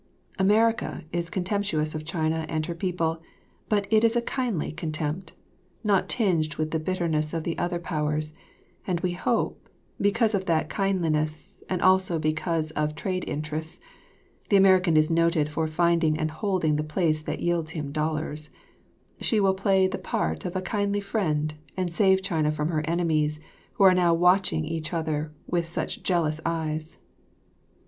America is contemptuous of China and her people, but it is a kindly contempt, not tinged with the bitterness of the other Powers, and we hope, because of that kindliness and also because of trade interests (the American is noted for finding and holding the place that yields him dollars), she will play the part of a kindly friend and save China from her enemies who are now watching each other with such jealous eyes.